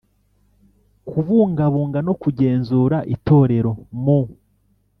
Kubungabunga no kugenzura itorero mu